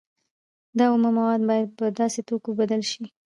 دا اومه مواد باید په داسې توکو بدل شي